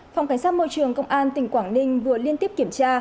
phòng cảnh sát môi trường công an tỉnh quảng ninh vừa liên tiếp kiểm tra